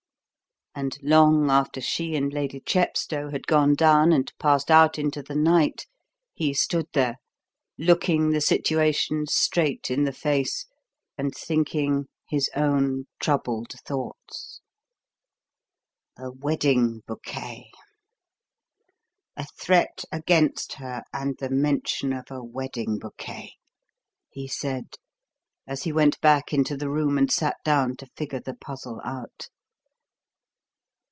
And long after she and Lady Chepstow had gone down and passed out into the night he stood there, looking the situation straight in the face and thinking his own troubled thoughts. "A wedding bouquet! A threat against her, and the mention of a wedding bouquet!" he said, as he went back into the room and sat down to figure the puzzle out.